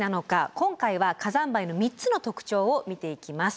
今回は火山灰の３つの特徴を見ていきます。